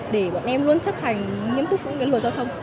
để bọn em luôn chấp hành nghiêm túc với người giao thông